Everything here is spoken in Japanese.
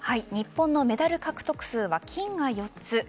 日本のメダル獲得数は金が４つ